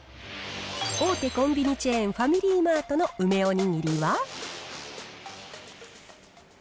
大手コンビニチェーン、ファミリーマートの梅おにぎりは。